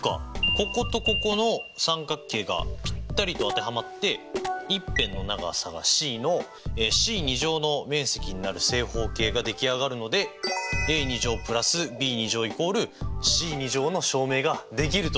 こことここの三角形がぴったりと当てはまって一辺の長さがｃのｃの面積になる正方形が出来上がるのでａ＋ｂ＝ｃの証明ができると！